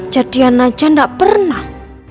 jadian aja gak pernah